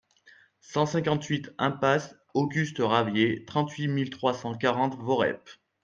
cent cinquante-huit impasse Auguste Ravier, trente-huit mille trois cent quarante Voreppe